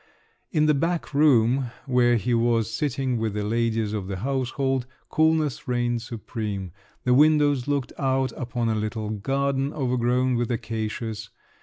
In the back room where he was sitting with the ladies of the household, coolness reigned supreme; the windows looked out upon a little garden overgrown with acacias.